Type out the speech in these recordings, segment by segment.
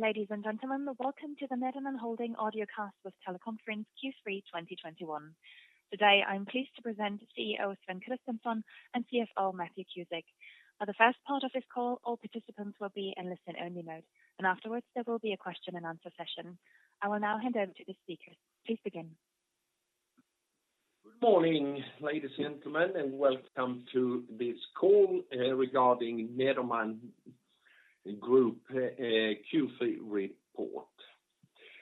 Ladies and gentlemen, welcome to the Nederman Holding audio cast with teleconference Q3 2021. Today, I'm pleased to present CEO, Sven Kristensson, and CFO, Matthew Cusick. For the first part of this call, all participants will be in listen-only mode. Afterwards there will be a question and answer session. I will now hand over to the speakers. Please begin. Good morning, ladies and gentlemen, and welcome to this call regarding Nederman Group Q3 report.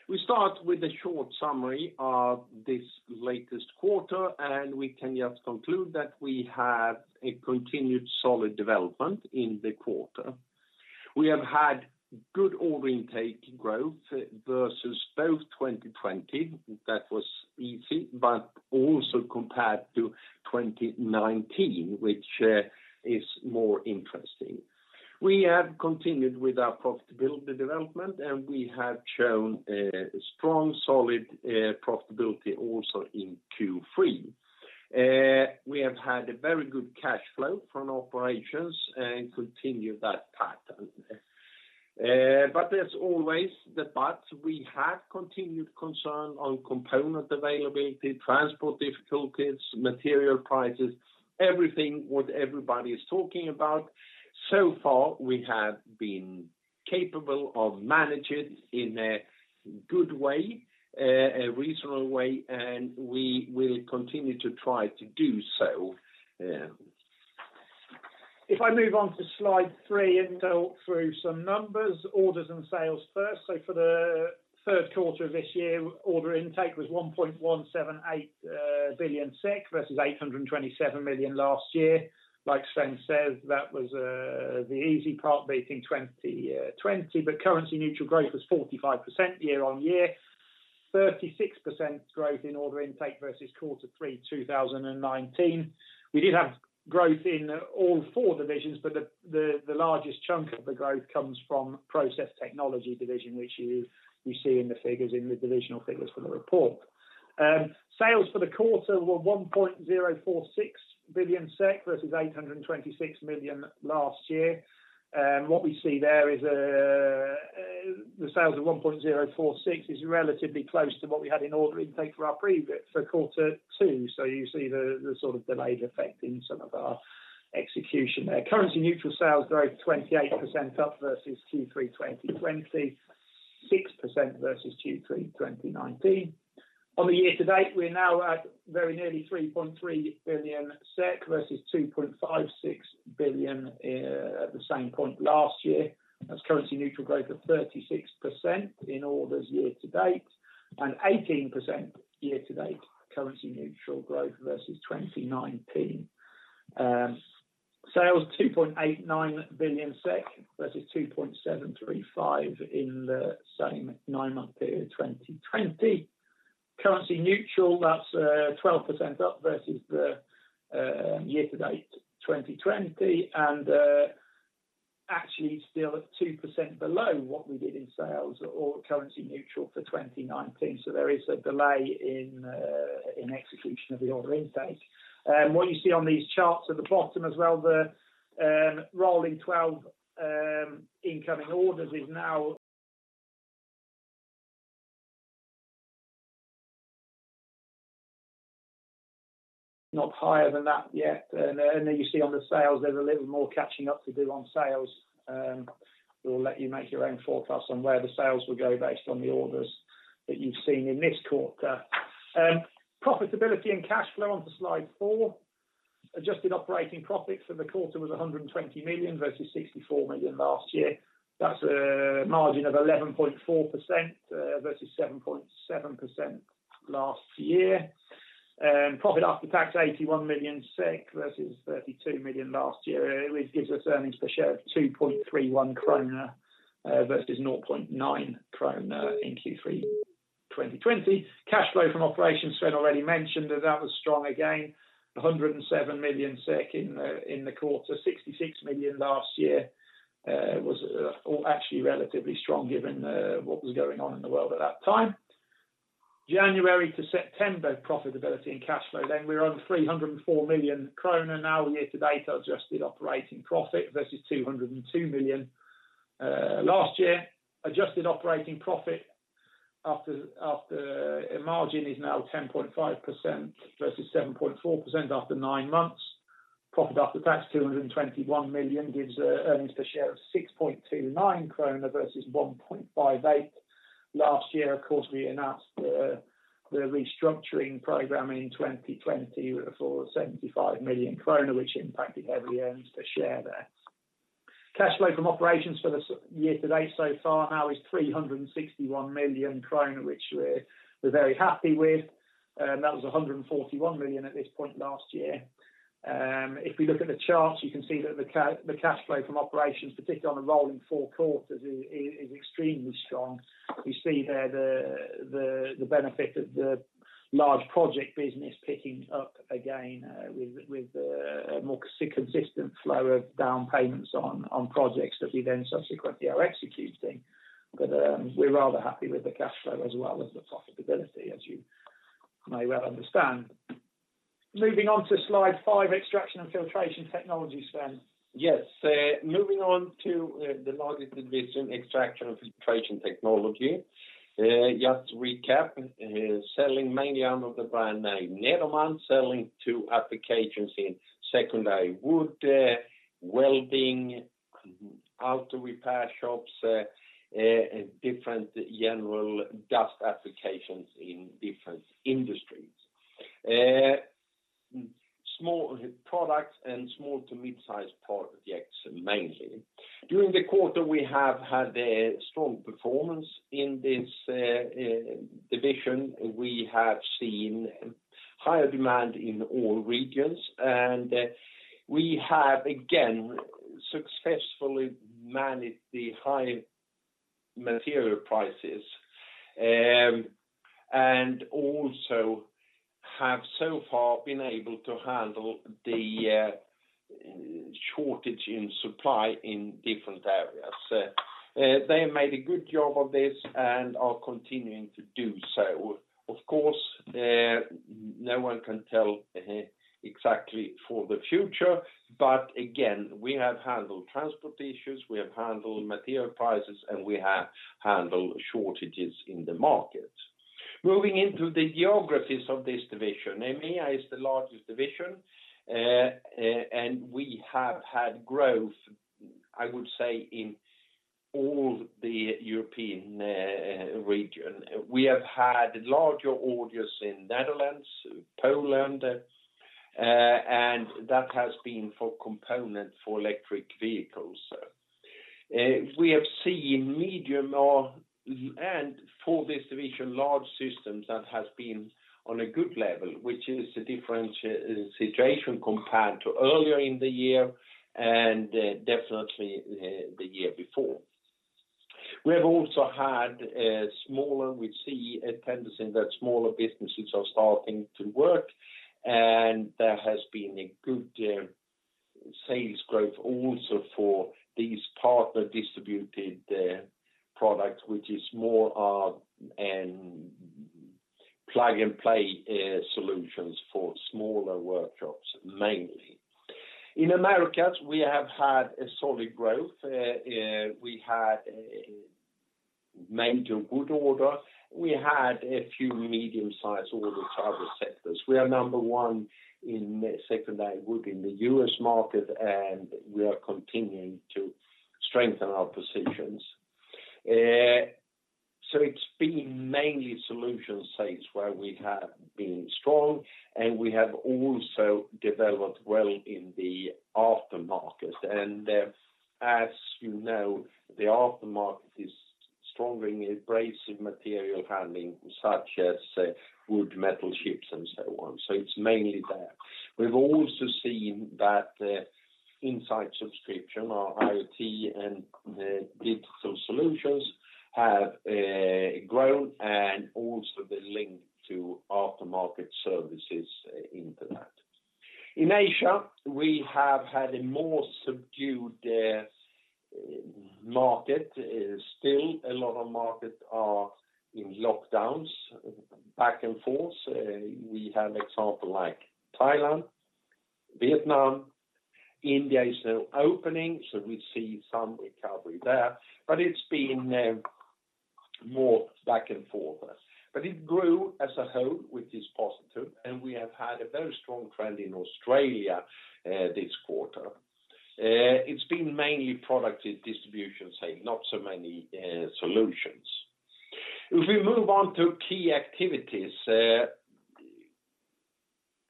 We start with a short summary of this latest quarter, and we can just conclude that we had a continued solid development in the quarter. We have had good order intake growth versus both 2020, that was easy, but also compared to 2019, which is more interesting. We have continued with our profitability development, and we have shown a strong, solid profitability also in Q3. We have had a very good cash flow from operations and continue that pattern. There's always the but. We have continued concern on component availability, transport difficulties, material prices, everything, what everybody is talking about. So far, we have been capable of manage it in a good way, a reasonable way, and we will continue to try to do so. If I move on to slide three and talk through some numbers, orders, and sales first. For the third quarter of this year, order intake was 1.178 billion SEK versus 827 million last year. Like Sven says, that was the easy part beating 2020, but currency neutral growth was 45% year-on-year. 36% growth in order intake versus Q3 2019. We did have growth in all four divisions, but the largest chunk of the growth comes from Process Technology division, which you see in the figures, in the divisional figures for the report. Sales for the quarter were 1.046 billion SEK versus 826 million last year. What we see there is the sales of 1.046 is relatively close to what we had in order intake for Q2, you see the sort of delayed effect in some of our execution there. Currency neutral sales growth 28% up versus Q3 2020, 6% versus Q3 2019. On the year to date, we are now at very nearly 3.3 billion SEK versus 2.56 billion at the same point last year. That's currency neutral growth of 36% in orders year-to-date, and 18% year to date currency neutral growth versus 2019. Sales, 2.89 billion SEK versus 2.735 billion in the same nine-month period 2020. Currency neutral, that's 12% up versus the year to date 2020, and actually still at 2% below what we did in sales or currency neutral for 2019. There is a delay in execution of the order intake. What you see on these charts at the bottom as well, the rolling 12 incoming orders is now not higher than that yet. You see on the sales, there's a little more catching up to do on sales. We'll let you make your own forecast on where the sales will go based on the orders that you've seen in this quarter. Profitability and cash flow onto slide four. Adjusted Operating Profit for the quarter was 120 million versus 64 million last year. That's a margin of 11.4% versus 7.7% last year. Profit after tax, 81 million SEK versus 32 million last year, which gives us earnings per share of 2.31 kronor versus 0.9 kronor in Q3 2020. Cash flow from operations, Sven already mentioned that that was strong again, 107 million SEK in the quarter, 66 million last year was actually relatively strong given what was going on in the world at that time. January to September profitability and cash flow, we're on 304 million krona now year-to-date Adjusted Operating Profit versus 202 million last year. Adjusted operating profit after margin is now 10.5% versus 7.4% after nine months. Profit after tax, 221 million gives earnings per share of 6.29 krona versus 1.58 last year. Of course, we announced the restructuring program in 2020 for 75 million krona, which impacted every earnings per share there. Cash flow from operations for the year to date so far now is 361 million krona, which we're very happy with. That was 141 million at this point last year. If we look at the charts, you can see that the cash flow from operations, particularly on a rolling four quarters, is extremely strong. We see there the benefit of the large project business picking up again with a more consistent flow of down payments on projects that we then subsequently are executing. We're rather happy with the cash flow as well as the profitability, as you may well understand. Moving on to slide 5, Extraction & Filtration Technology, Sven. Yes. Moving on to the largest division, Extraction & Filtration Technology. Just to recap, selling mainly under the brand name Nederman, selling to applications in secondary wood, welding, auto repair shops, and different general dust applications in different industries. Small products and small to mid-size projects mainly. During the quarter, we have had a strong performance in this division. We have seen higher demand in all regions, and we have, again, successfully managed the high material prices, and also have so far been able to handle the shortage in supply in different areas. They made a good job of this and are continuing to do so. Of course, no one can tell exactly for the future, but again, we have handled transport issues, we have handled material prices, and we have handled shortages in the market. Moving into the geographies of this division. EMEA is the largest division. We have had growth, I would say, in all the European region. We have had larger orders in Netherlands, Poland. That has been for component for electric vehicles. We have seen medium and, for this division, large systems that has been on a good level, which is a different situation compared to earlier in the year, and definitely the year before. We see a tendency that smaller businesses are starting to work. There has been a good sales growth also for these partner distributed products, which is more of plug-and-play solutions for smaller workshops mainly. In Americas, we have had a solid growth. We had a major wood order. We had a few medium-sized orders, other sectors. We are number one in secondary wood in the U.S. market. We are continuing to strengthen our positions. It's been mainly solution sites where we have been strong, and we have also developed well in the aftermarket. As you know, the aftermarket is strong in abrasive material handling, such as wood, metal chips, and so on. It's mainly that. We've also seen that Insight subscription, our IoT and digital solutions have grown and also been linked to aftermarket services into that. In Asia, we have had a more subdued market. Still, a lot of markets are in lockdowns back and forth. We have example like Thailand, Vietnam. India is now opening, so we see some recovery there, but it's been more back and forth. It grew as a whole, which is positive, and we have had a very strong trend in Australia this quarter. It's been mainly product distribution sale, not so many solutions. If we move on to key activities,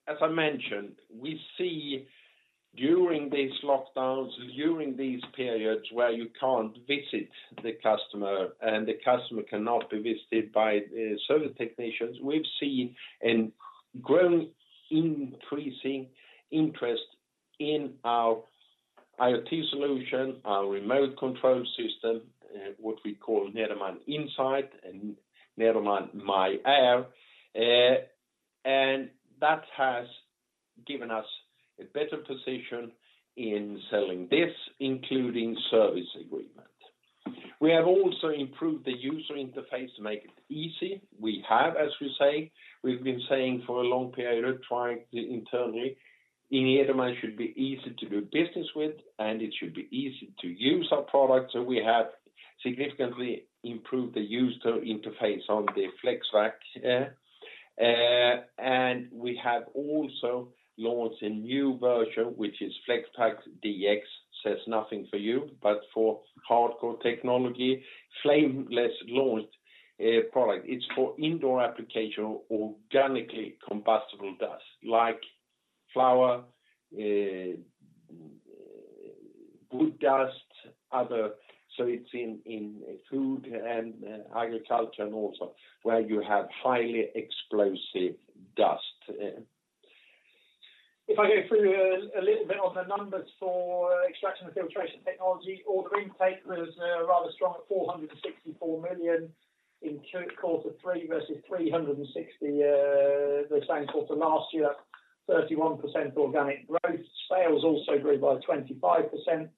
as I mentioned, during these lockdowns, during these periods where you can't visit the customer and the customer cannot be visited by service technicians, we've seen an increasing interest in our IoT solution, our remote control system, what we call Nederman Insight and Nederman myAir. That has given us a better position in selling this, including service agreement. We have also improved the user interface to make it easy. We've been saying for a long period internally, Nederman should be easy to do business with, and it should be easy to use our products, so we have significantly improved the user interface on the FlexPAK. We have also launched a new version, which is FlexPAK DX. Says nothing for you, but for hardcore technology, flameless launched product. It's for indoor application, organically combustible dust like flour, wood dust. It's in food and agriculture and also where you have highly explosive dust. If I go through a little bit on the numbers for Extraction & Filtration Technology, order intake was rather strong at 464 million in Q3 versus 360 the same quarter last year, 31% organic growth. Sales also grew by 25%.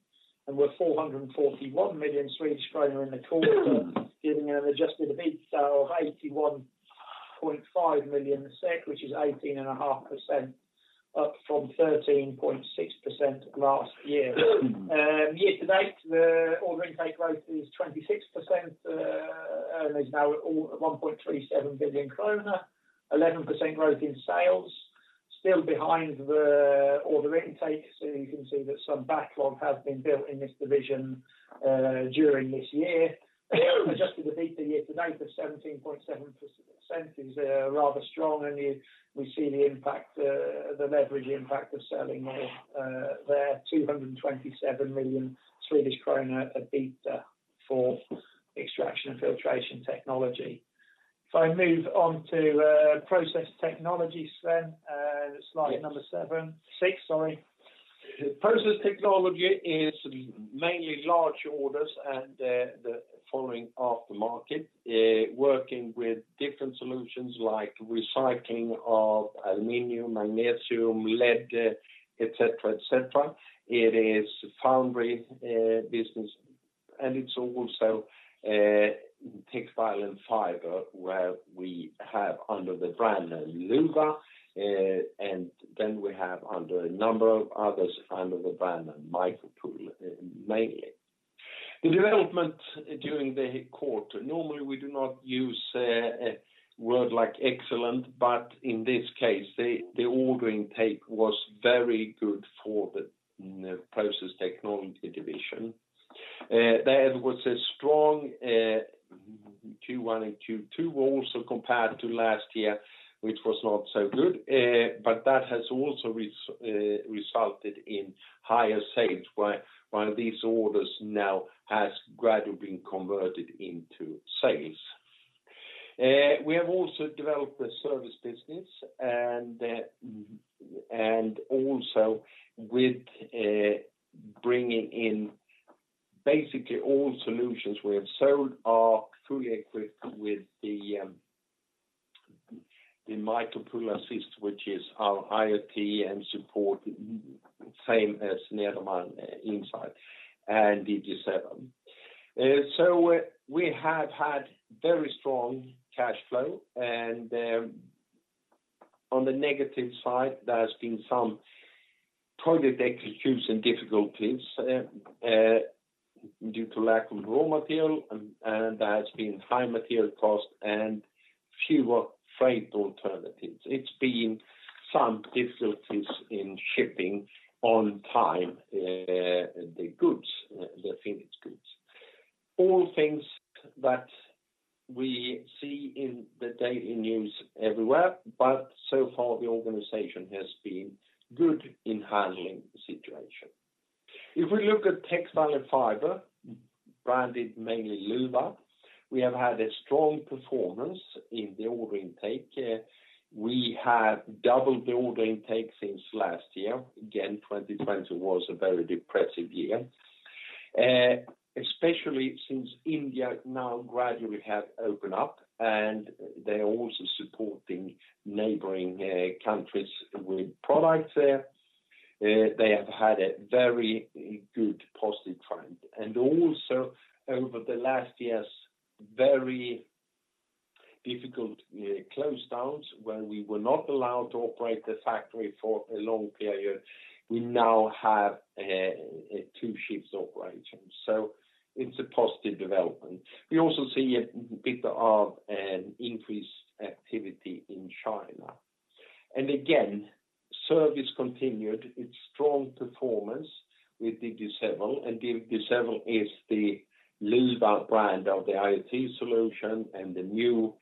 We're 441 million Swedish kronor in the quarter, giving an adjusted EBITDA of 81.5 million SEK, which is 18.5% up from 13.6% last year. Year-to-date, the order intake growth is 26%, and is now at 1.37 billion kronor, 11% growth in sales, still behind the order intake. You can see that some backlog has been built in this division during this year. Adjusted EBITDA year to date of 17.7% is rather strong, and we see the leverage impact of selling our 227 million Swedish kronor EBITDA for Extraction & Filtration Technology. If I move on to Process Technology, Sven, slide six. Process Technology is mainly large orders and the following aftermarket, working with different solutions like recycling of aluminum, magnesium, lead, et cetera. It is foundry business, and it's also textile and fiber where we have under the brand name Luwa, and then we have under a number of others under the brand MikroPul, mainly. The development during the quarter, normally we do not use a word like excellent, but in this case, the order intake was very good for the Process Technology division. There was a strong Q1 and Q2 also compared to last year, which was not so good. That has also resulted in higher sales where these orders now has gradually been converted into sales. We have also developed the service business and also with bringing in basically all solutions we have sold are fully equipped with the MikroPul-Assist, which is our IoT and support, same as Nederman Insight and Digi7. We have had very strong cash flow and on the negative side, there's been some project execution difficulties due to lack of raw material, and there has been high material cost and fewer freight alternatives. It's been some difficulties in shipping on time the finished goods. All things that we see in the daily news everywhere, but so far the organization has been good in handling the situation. If we look at textile and fiber, branded mainly Luwa, we have had a strong performance in the order intake. We have doubled the order intake since last year. 2020 was a very depressive year, especially since India now gradually have opened up, and they are also supporting neighboring countries with products there. They have had a very good positive trend. Also over the last year's very difficult close downs where we were not allowed to operate the factory for a long period, we now have a two shifts operation. It is a positive development. We also see a bit of an increased activity in China. Again, service continued its strong performance with Digi7, and Digi7 is the Luwa brand of the IoT solution and the new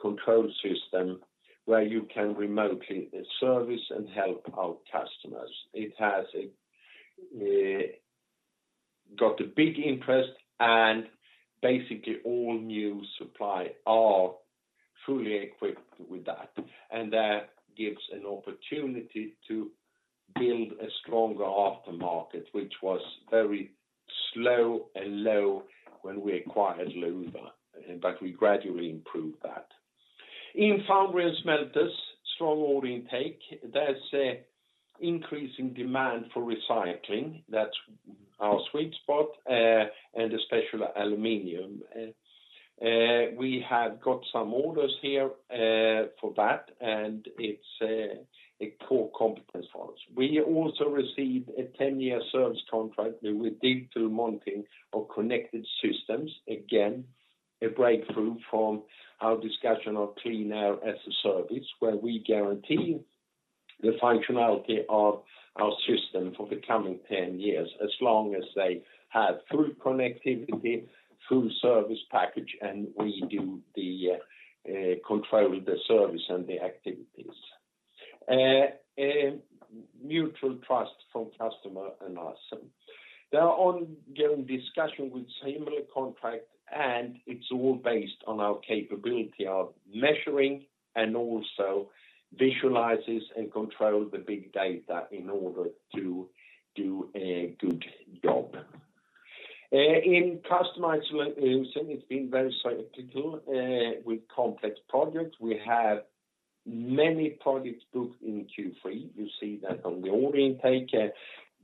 control system where you can remotely service and help our customers. It has got a big interest and basically all new supply are fully equipped with that. That gives an opportunity to build a stronger aftermarket, which was very slow and low when we acquired Luwa. We gradually improved that. In foundry and smelters, strong order intake, there's a increasing demand for recycling. That's our sweet spot, and especially aluminum. We have got some orders here for that, and it's a core competence for us. We also received a 10-year service contract with digital monitoring of connected systems. Again, a breakthrough from our discussion of clean air as a service, where we guarantee the functionality of our system for the coming 10 years, as long as they have full connectivity, full service package, and we do the control, the service, and the activities. A mutual trust from customer and us. There are ongoing discussion with similar contract, and it's all based on our capability of measuring and also visualizes and control the big data in order to do a good job. In customized solutions, it's been very cyclical with complex projects. We have many projects booked in Q3. You see that on the order intake.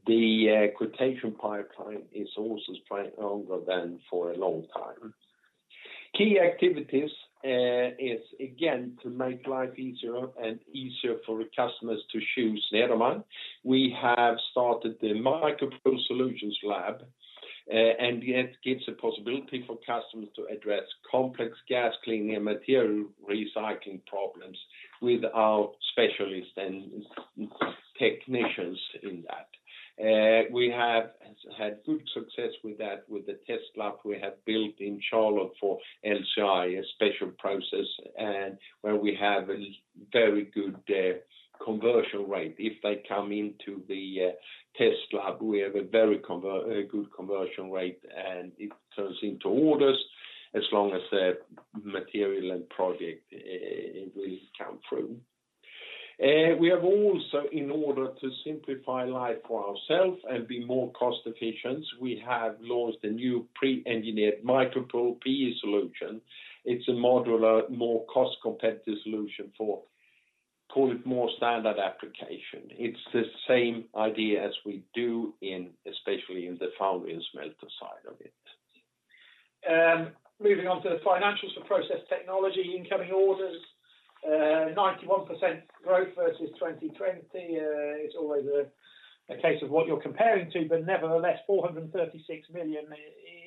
The quotation pipeline is also stronger than for a long time. Key activities is, again, to make life easier and easier for the customers to choose Nederman. We have started the MikroPul Solutions lab, and it gives a possibility for customers to address complex gas cleaning and material recycling problems with our specialists and technicians in that. We have had good success with that with the test lab we have built in Charlotte for LCI, a special process where we have a very good conversion rate. If they come into the test lab, we have a very good conversion rate, and it turns into orders as long as the material and project will come through. We have also, in order to simplify life for ourselves and be more cost-efficient, we have launched a new pre-engineered MikroPul PE solution. It's a modular, more cost-competitive solution for call it more standard application. It's the same idea as we do especially in the foundry and smelter side of it. Moving on to the financials for Process Technology. Incoming orders, 91% growth versus 2020. It's always a case of what you're comparing to. Nevertheless, 436 million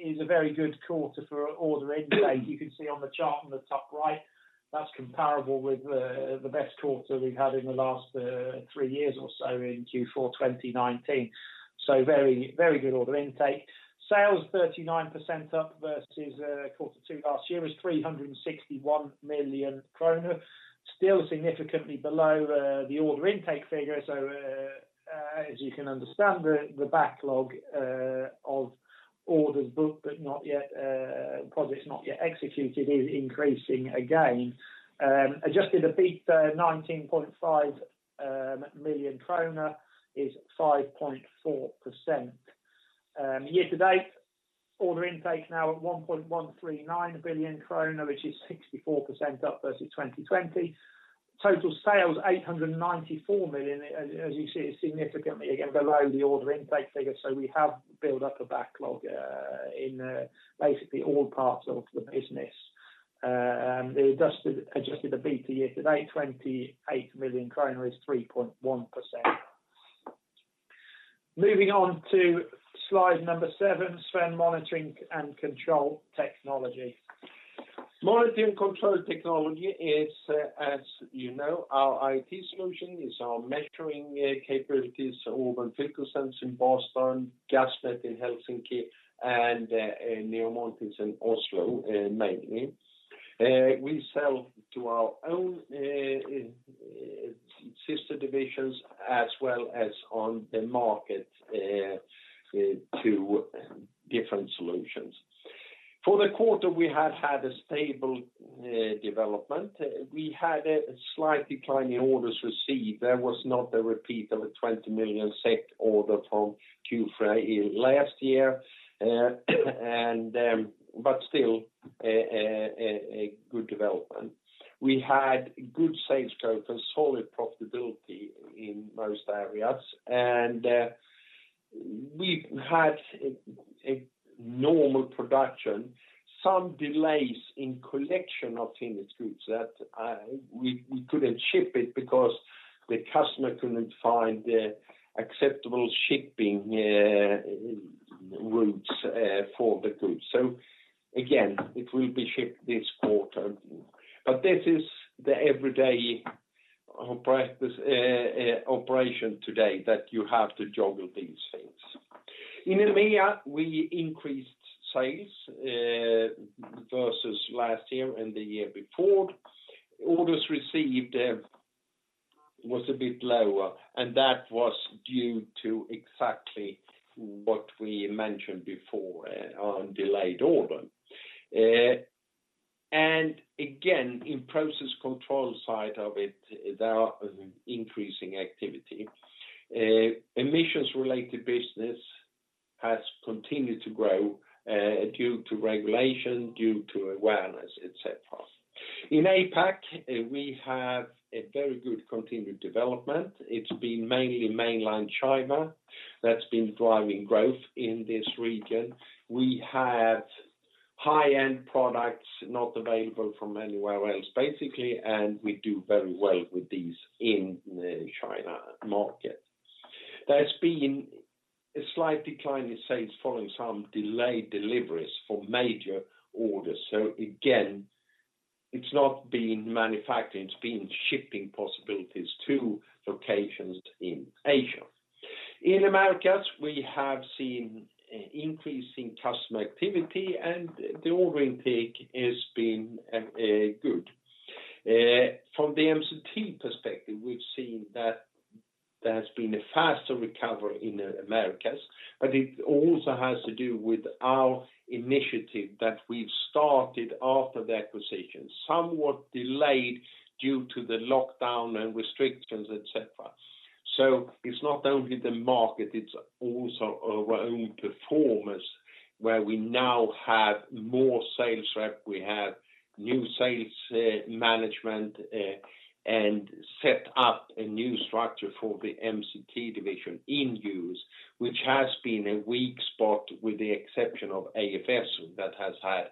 is a very good quarter for order intake. You can see on the chart on the top right, that's comparable with the best quarter we've had in the last three years or so in Q4 2019. Very good order intake. Sales 39% up versus Q2 last year is 361 million kronor, still significantly below the order intake figure. As you can understand, the backlog of orders booked but projects not yet executed is increasing again. Adjusted EBIT, 19.5 million krona is 5.4%. Year-to-date order intake now at 1.139 billion krona which is 64% up versus 2020. Total sales 894 million. As you see, it's significantly again below the order intake figure, so we have built up a backlog in basically all parts of the business. The adjusted EBITDA year-to-date, SEK 28 million is 3.1%. Moving on to slide number seven, Sven, Monitoring and Control Technology. Monitoring & Control Technology is, as you know, our IT solution, is our measuring capabilities, Auburn FilterSense in Boston, Gasmet in Helsinki, and NEO Monitors in Oslo, mainly. We sell to our own sister divisions as well as on the market to different solutions. For the quarter, we have had a stable development. We had a slight decline in orders received. There was not a repeat of a 20 million order from Q3 2021, but still a good development. We had good sales growth and solid profitability in most areas, and we've had a normal production. Some delays in collection of finished goods that we couldn't ship it because the customer couldn't find acceptable shipping routes for the goods. Again, it will be shipped this quarter. This is the everyday operation today, that you have to juggle these things. In EMEA, we increased sales versus last year and the year before. Orders received was a bit lower. That was due to exactly what we mentioned before on delayed order. Again, in process control side of it, there are increasing activity. Emissions-related business has continued to grow due to regulation, due to awareness, et cetera. In APAC, we have a very good continued development. It's been mainly mainland China that's been driving growth in this region. We have high-end products not available from anywhere else, basically, and we do very well with these in the China market. There's been a slight decline in sales following some delayed deliveries for major orders. Again, it's not been manufacturing, it's been shipping possibilities to locations in Asia. In Americas, we have seen increase in customer activity and the order intake has been good. From the MCT perspective, we've seen that there's been a faster recovery in the Americas, but it also has to do with our initiative that we've started after the acquisition, somewhat delayed due to the lockdown and restrictions, et cetera. It's not only the market, it's also our own performance, where we now have more sales rep, we have new sales management, and set up a new structure for the MCT division in U.S., which has been a weak spot with the exception of AFS that has had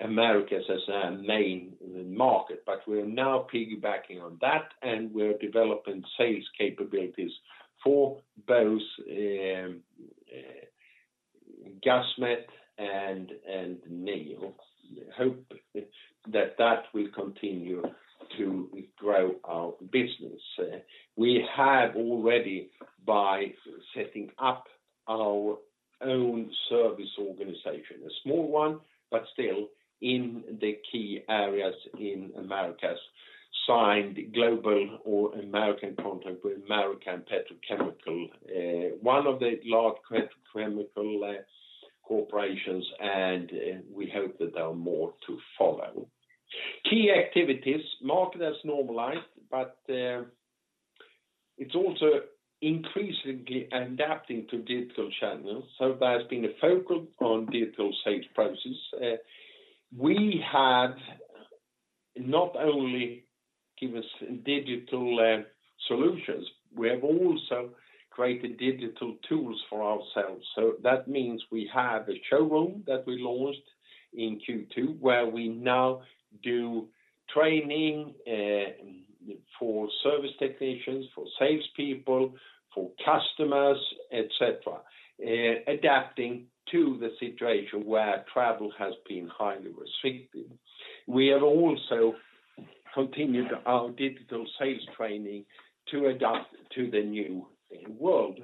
Americas as their main market. We're now piggybacking on that, and we're developing sales capabilities for both Gasmet and NEO Monitors. Hope that that will continue to grow our business. We have already, by setting up our own service organization, a small one, but still in the key areas in Americas, signed global or American contract with American Petrochemical, one of the large petrochemical corporations. We hope that there are more to follow. Key activities. Market has normalized, but it's also increasingly adapting to digital channels, so there's been a focus on digital sales process. We have not only give us digital solutions, we have also created digital tools for ourselves. That means we have a showroom that we launched in Q2, where we now do training for service technicians, for salespeople, for customers, et cetera, adapting to the situation where travel has been highly restricted. We have also continued our digital sales training to adapt to the new world.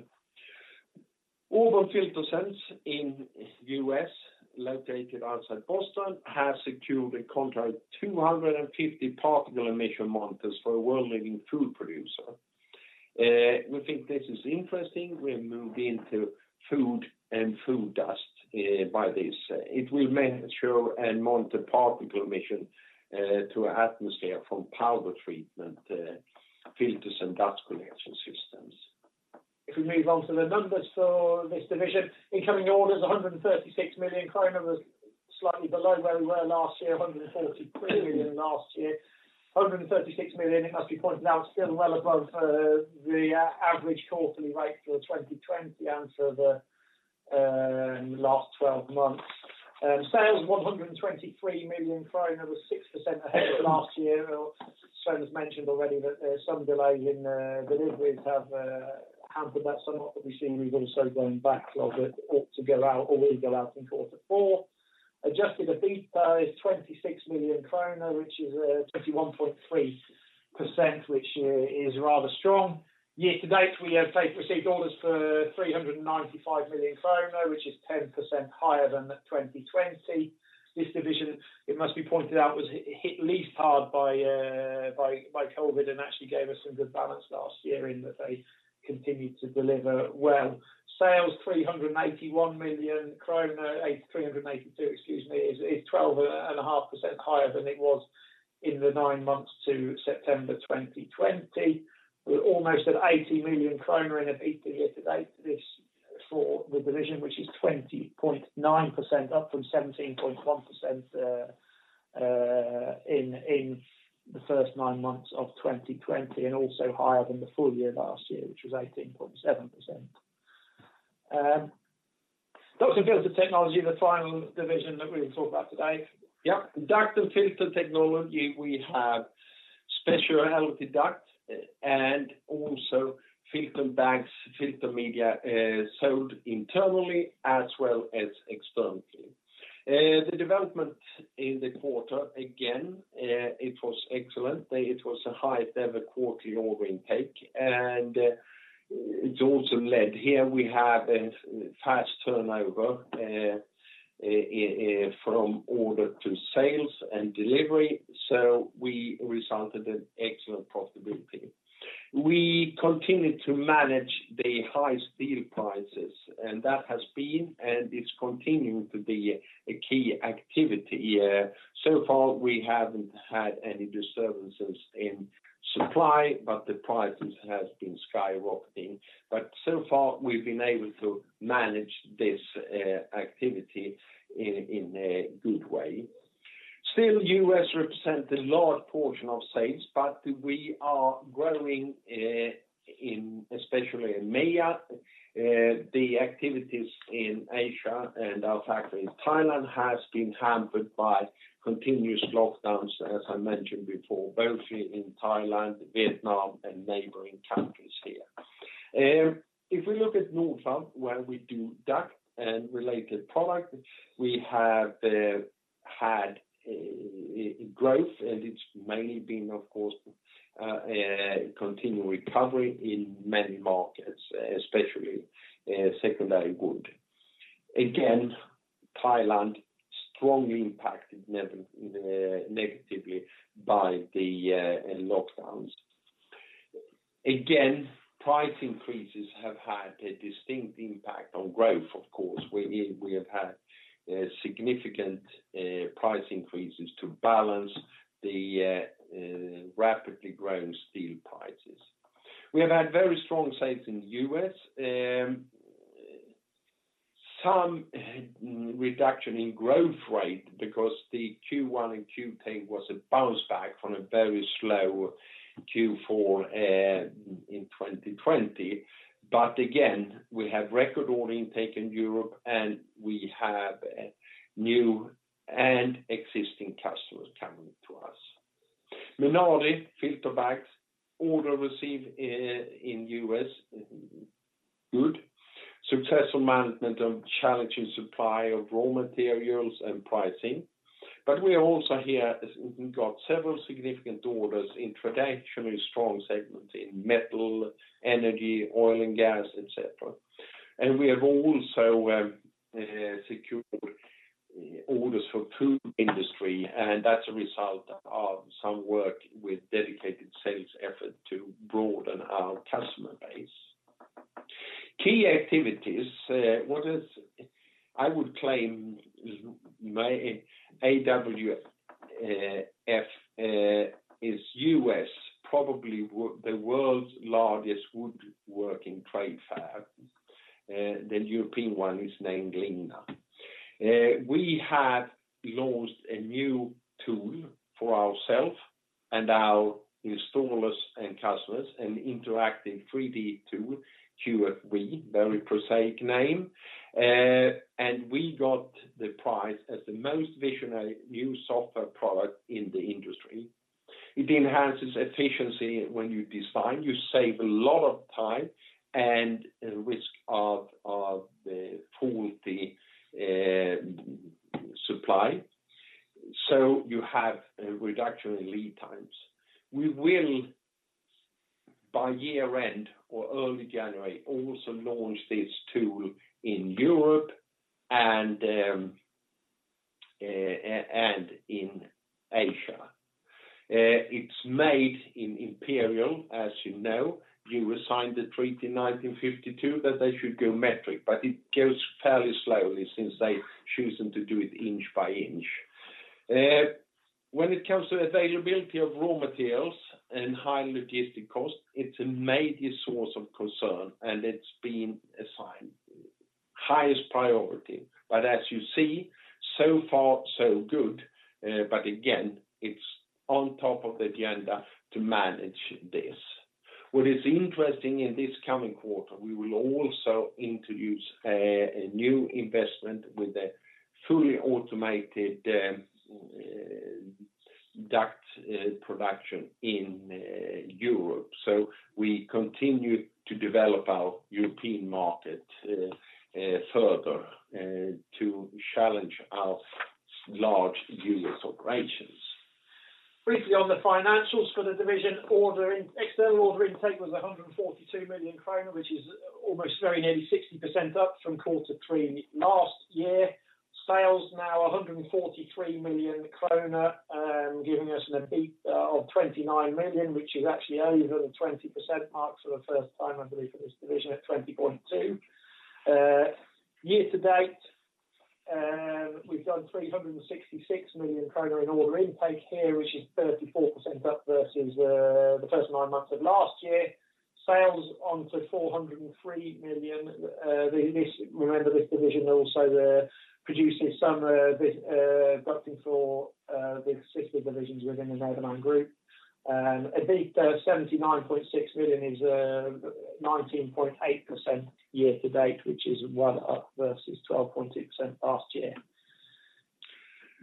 Auburn FilterSense in U.S., located outside Boston, has secured a contract 250 particulate emissions monitors for a world-leading food producer. We think this is interesting. We move into food and food dust by this. It will measure and monitor particulate emission to atmosphere from powder treatment filters and dust collection systems. If we move on to the numbers for this division. Incoming orders, 136 million was slightly below where we were last year, 143 million last year. 136 million, it must be pointed out, still well above the average quarterly rate for 2020 and for the last 12 months. Sales, 123 million kronor was 6% ahead of last year. Sven has mentioned already that some delays in deliveries have hampered that somewhat, but we've also got a backlog that ought to go out or will go out in Q4. Adjusted EBITDA is 26 million kronor, which is 21.3%, which is rather strong. Year to date, we have received orders for 395 million krona, which is 10% higher than 2020. This division, it must be pointed out, was hit least hard by COVID and actually gave us some good balance last year in that they continued to deliver well. Sales 381 million, krona 382, excuse me, is 12.5% higher than it was in the nine months to September 2020. We're almost at 80 million kronor in EBITDA year to date for the division, which is 20.9%, up from 17.1% in the first nine months of 2020 and also higher than the full year last year, which was 18.7%. Duct & Filter Technology, the final division that we'll talk about today. Yeah. Duct & Filter Technology, we have specialty duct and also filter bags, filter media, sold internally as well as externally. The development in the quarter, again, it was excellent. It was a high ever quarterly order intake, and it also led here we have a fast turnover from order to sales and delivery, so we resulted in excellent profitability. We continued to manage the high steel prices, and that has been, and it's continuing to be a key activity. So far, we haven't had any disturbances in supply, but the prices has been skyrocketing. So far, we've been able to manage this activity in a good way. Still, U.S. represent a large portion of sales, but we are growing especially in EMEA. The activities in Asia and our factory in Thailand has been hampered by continuous lockdowns, as I mentioned before, both in Thailand, Vietnam, and neighboring countries here. If we look at Nordfab, where we do duct and related product, we have had growth, and it's mainly been, of course, continued recovery in many markets, especially secondary wood. Thailand strongly impacted negatively by the lockdowns. Price increases have had a distinct impact on growth, of course. We have had significant price increases to balance the rapidly growing steel prices. We have had very strong sales in the U.S. Some reduction in growth rate because the Q1 and Q2 was a bounce back from a very slow Q4 in 2020. Again, we have record order intake in Europe, and we have new and existing customers coming to us. Menardi filter bags order received in U.S., good. Successful management of challenging supply of raw materials and pricing. We also here got several significant orders in traditionally strong segments in metal, energy, oil and gas, et cetera. We have also secured orders for food industry, and that's a result of some work with dedicated sales effort to broaden our customer base. Key activities, I would claim AWFS Fair, probably the world's largest woodworking trade fair. The European one is named Ligna. We have launched a new tool for ourself and our installers and customers, an interactive 3D tool, QFV, very prosaic name. We got the prize as the most visionary new software product in the industry. It enhances efficiency when you design. You save a lot of time and risk of the faulty supply. You have a reduction in lead times. We will, by year-end or early January, also launch this tool in Europe and in Asia. It's made in Imperial, as you know. You assigned the treaty in 1952 that they should go metric, but it goes fairly slowly since they've chosen to do it inch by inch. When it comes to availability of raw materials and high logistic cost, it's a major source of concern, and it's been assigned highest priority. As you see, so far so good. Again, it's on top of the agenda to manage this. What is interesting in this coming quarter, we will also introduce a new investment with a fully automated duct production in Europe. We continue to develop our European market further to challenge our large U.S. operations. Briefly on the financials for the division, external order intake was 142 million krona, which is almost very nearly 60% up from Q3 last year. Sales now 143 million kronor, giving us an EBIT of 29 million, which is actually over the 20% mark for the first time, I believe, in this division at 20.2%. Year-to-date, we've done 366 million kronor in order intake here, which is 34% up versus the first 9 months of last year. Sales on to 403 million. Remember this division also produces some ducting for the sister divisions within the Nederman Group. EBIT SEK 79.6 million is 19.8% year to date, which is one up versus 12.6% last year.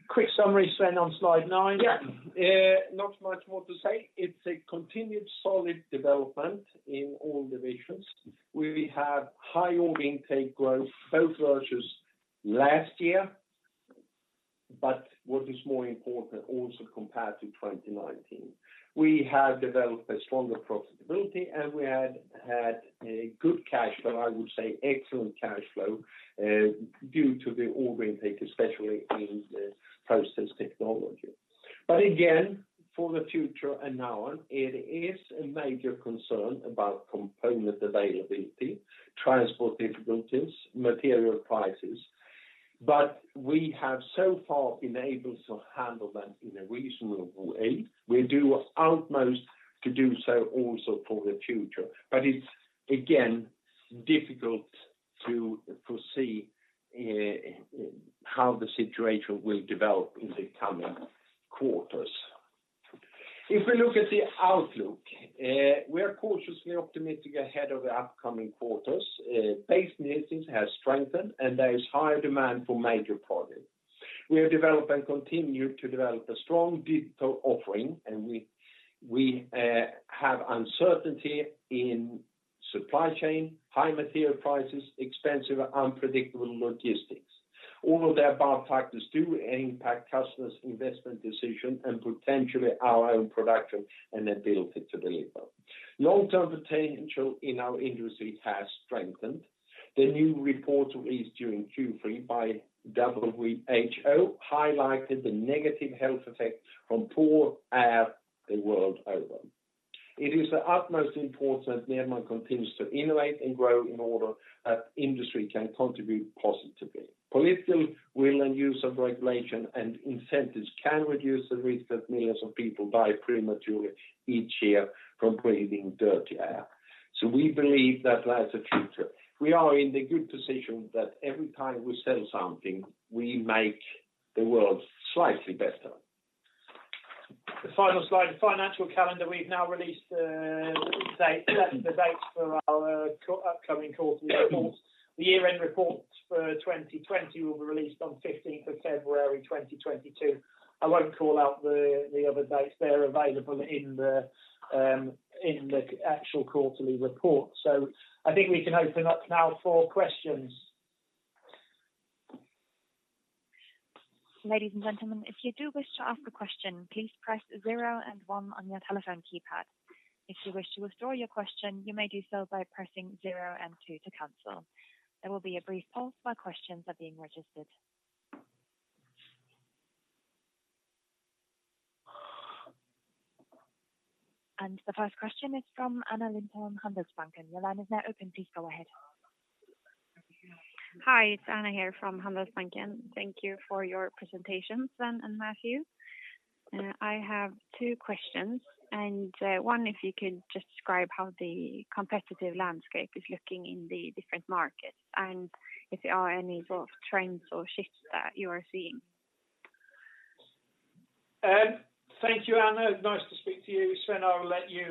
Quick summary, Sven, on slide nine. Yeah. Not much more to say. It's a continued solid development in all divisions, where we have high order intake growth, both versus last year, but what is more important, also compared to 2019. We have developed a stronger profitability, and we have had a good cash flow, I would say excellent cash flow, due to the order intake, especially in Process Technology. Again, for the future and now on, it is a major concern about component availability, transport difficulties, material prices. We have so far been able to handle them in a reasonable way. We do our utmost to do so also for the future. It's, again, difficult to foresee how the situation will develop in the coming quarters. If we look at the outlook, we are cautiously optimistic ahead of the upcoming quarters. Base business has strengthened, and there is higher demand for major projects. We have developed and continue to develop a strong digital offering, and we have uncertainty in supply chain, high material prices, expensive, unpredictable logistics. All of the above factors do impact customers' investment decision and potentially our own production and ability to deliver. Long-term potential in our industry has strengthened. The new report released during Q3 by WHO highlighted the negative health effect from poor air the world over. It is of utmost importance Nederman continues to innovate and grow in order that industry can contribute positively. Political will and use of regulation and incentives can reduce the risk that millions of people die prematurely each year from breathing dirty air. We believe that that's the future. We are in the good position that every time we sell something, we make the world slightly better. The final slide, the financial calendar we've now released, the dates for our upcoming quarterly reports. The year-end reports for 2020 will be released on 15th of February 2022. I won't call out the other dates. They're available in the actual quarterly report. I think we can open up now for questions. The first question is from Anna Lindholm-Widström, Handelsbanken. Your line is now open. Please go ahead. Hi, it's Anna here from Handelsbanken. Thank you for your presentations, Sven and Matthew. I have two questions. One, if you could describe how the competitive landscape is looking in the different markets and if there are any sort of trends or shifts that you are seeing. Thank you, Anna. Nice to speak to you. Sven, I will let you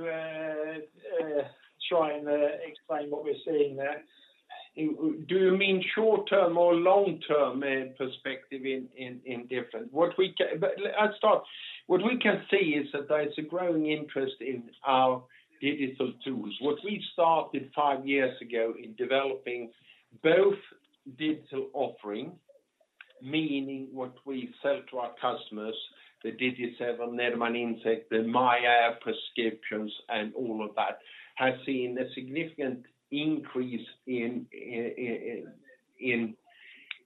try and explain what we're seeing there. Do you mean short-term or long-term perspective in different? I'll start. What we can see is that there's a growing interest in our digital tools. What we've started five years ago in developing both digital offering, meaning what we sell to our customers, the Digi7, Nederman InSite, the myAir subscriptions and all of that, has seen a significant increase in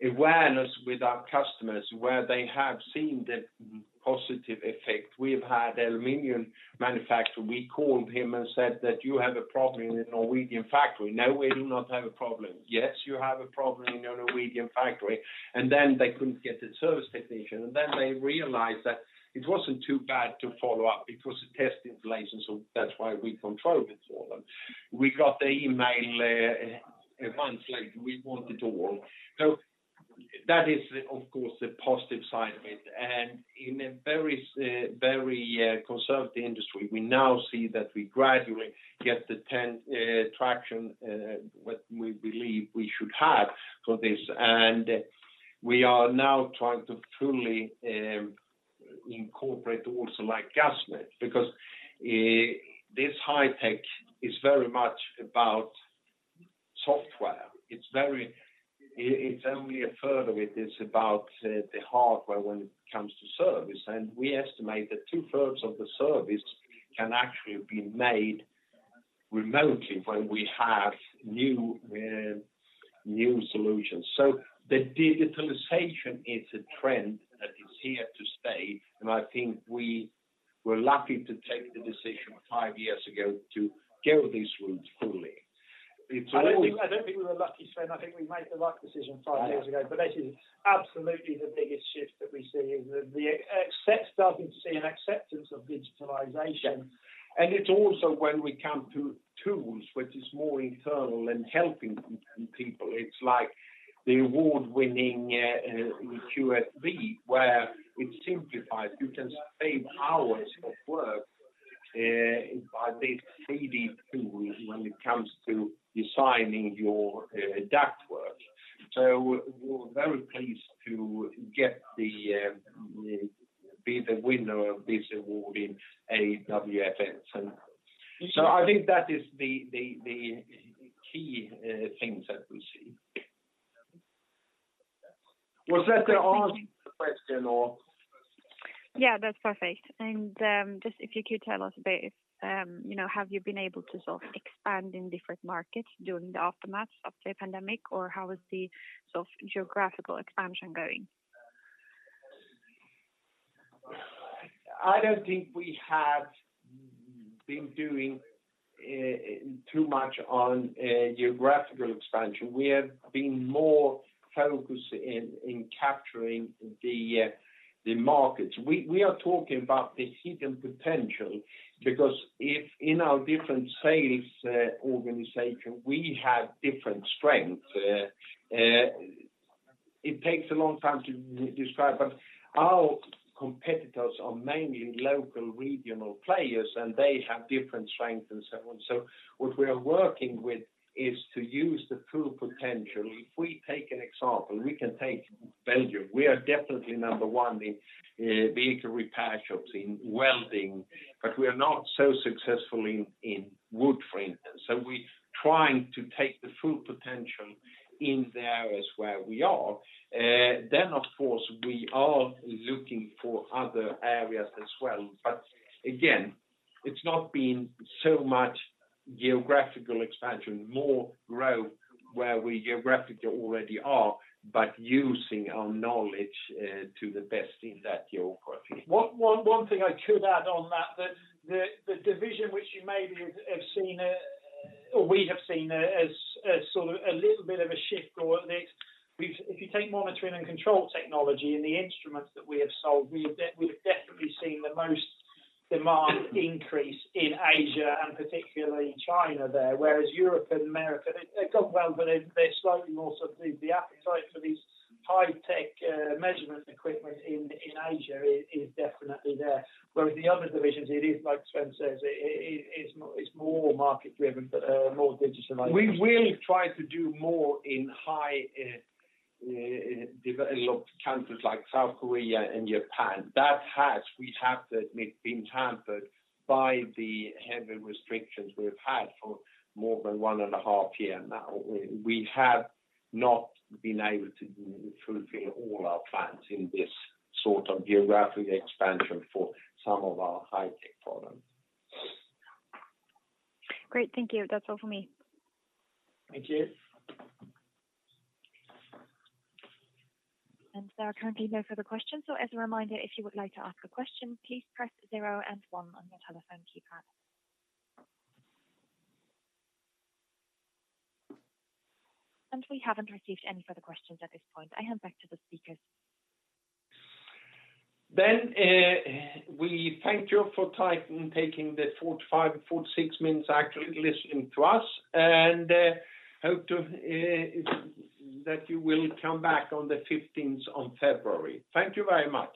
awareness with our customers where they have seen the positive effect. We've had aluminum manufacturer, we called him and said that "You have a problem in your Norwegian factory." "No, we do not have a problem." "Yes, you have a problem in your Norwegian factory." Then they couldn't get the service technician, and then they realized that it wasn't too bad to follow up. It was a testing place, and so that's why we controlled it all. We got the email a month later, we want it to work. That is, of course, the positive side of it, and in a very conservative industry, we now see that we gradually get the traction what we believe we should have for this. We are now trying to fully incorporate also like Gasmet, because this high tech is very much about software. It's only a third of it is about the hardware when it comes to service. We estimate that two-thirds of the service can actually be made remotely when we have new solutions. The digitalization is a trend that is here to stay, and I think we were lucky to take the decision five years ago to go this route fully. I don't think we were lucky, Sven. I think we made the right decision five years ago. This is absolutely the biggest shift that we're seeing, the access to and acceptance of digitalization. Yeah. It's also when we come to tools, which is more internal and helping people. It's like the award-winning QFV, where it simplifies, you can save hours of work by this 3D tool when it comes to designing your ductwork. We're very pleased to be the winner of this award in AWFS Fair. I think that is the key things that we see. Was that the answer to the question, or? Yeah, that's perfect. Just if you could tell us a bit, have you been able to sort of expand in different markets during the aftermath of the pandemic, or how is the geographical expansion going? I don't think we have been doing too much on geographical expansion. We have been more focused in capturing the markets. We are talking about the hidden potential, because if in our different sales organization, we have different strengths. It takes a long time to describe. Our competitors are mainly local regional players, and they have different strengths and so on. What we are working with is to use the full potential. If we take an example, we can take Belgium. We are definitely number one in vehicle repair shops, in welding, but we are not so successful in wood, for instance. We're trying to take the full potential in the areas where we are. Of course, we are looking for other areas as well. Again, it's not been so much geographical expansion, more growth where we geographically already are, but using our knowledge to the best in that geography. One thing I could add on that, the division which you maybe have seen, or we have seen as sort of a little bit of a shift, or if you take Monitoring & Control Technology and the instruments that we have sold, we have definitely seen the most demand increase in Asia and particularly China there, whereas Europe and America, they've gone well, but they're slightly more sort of the appetite for these high-tech measurement equipment in Asia is definitely there. Whereas the other divisions, it is like Sven says, it's more market driven, but more digitalization. We will try to do more in high developed countries like South Korea and Japan. That has, we have to admit, been hampered by the heavy restrictions we've had for more than one and a half year now. We have not been able to fulfill all our plans in this sort of geographic expansion for some of our high-tech products. Great, thank you. That's all from me. Thank you. There are currently no further questions. We haven't received any further questions at this point. I hand back to the speakers. We thank you for taking the 45, 46 minutes actually listening to us, and hope that you will come back on the 15th on February. Thank you very much.